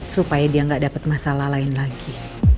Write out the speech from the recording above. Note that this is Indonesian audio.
supaya dia gak dapet masalah lain lagi